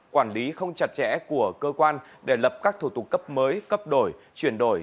quản lý không chặt chẽ của cơ quan để lập các thủ tục cấp mới cấp đổi chuyển đổi